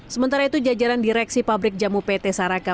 sementara itu jajaran direksi pabrik jamu pt saraka